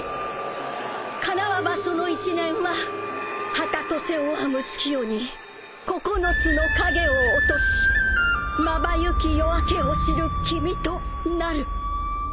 叶わばその一念は二十年を編む月夜に九つの影を落としまばゆき夜明けを知る君となる。